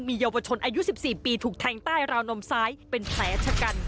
เยาวชนอายุ๑๔ปีถูกแทงใต้ราวนมซ้ายเป็นแผลชะกัน